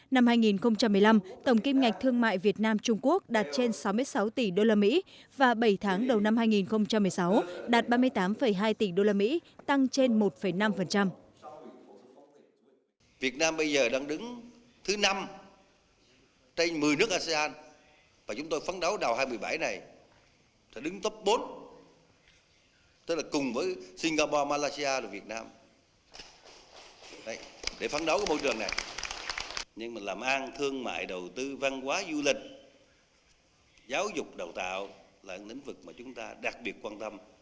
năm hai nghìn một mươi năm tổng kim ngạch thương mại việt nam trung quốc đạt trên sáu mươi sáu tỷ usd và bảy tháng đầu năm hai nghìn một mươi sáu đạt ba mươi tám hai tỷ usd tăng trên một năm